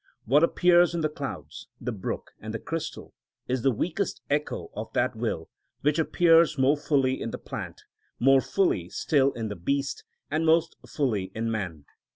What appears in the clouds, the brook, and the crystal is the weakest echo of that will which appears more fully in the plant, more fully still in the beast, and most fully in man.